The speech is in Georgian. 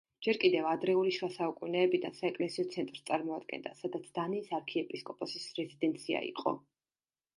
ჯერ კიდევ ადრეული შუა საუკუნეებიდან საეკლესიო ცენტრს წარმოადგენდა, სადაც დანიის არქიეპისკოპოსის რეზიდენცია იყო.